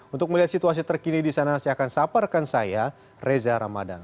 untuk melihat situasi terkini di sana saya akan saparkan saya reza ramadan